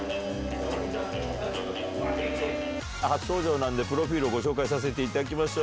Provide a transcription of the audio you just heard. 初登場なんでプロフィールをご紹介させていただきましょう。